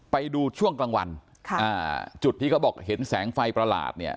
ไปดูช่วงกลางวันค่ะอ่าจุดที่เขาบอกเห็นแสงไฟประหลาดเนี่ย